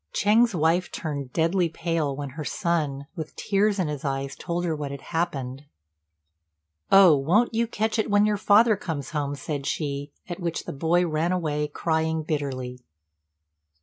Ch'êng's wife turned deadly pale when her son, with tears in his eyes, told her what had happened. "Oh! won't you catch it when your father comes home," said she; at which the boy ran away, crying bitterly.